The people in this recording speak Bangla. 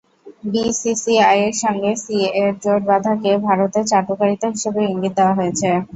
বিসিসিআইয়ের সঙ্গে সিএ-এর জোট বাঁধাকে ভারতের চাটুকারিতা হিসেবেও ইঙ্গিত দেওয়া হয়েছে।